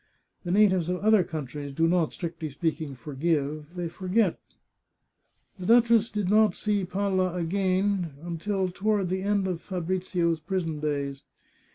The natives of other countries do not, strictly ispeaking, forgive — they forget. The duchess did not see Palla again till toward the end of Fabrizio's prison days.